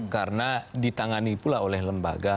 karena ditangani pula oleh lembaga